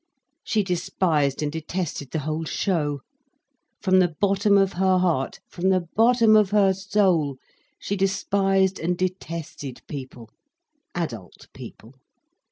She despised and detested the whole show. From the bottom of her heart, from the bottom of her soul, she despised and detested people, adult people.